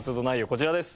こちらです。